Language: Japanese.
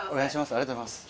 ありがとうございます。